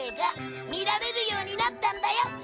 見られるようになったんだよ